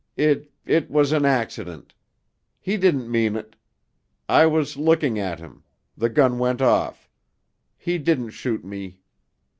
"It it was an accident. He didn't mean it. I was looking at him. The gun went off. He didn't shoot at me....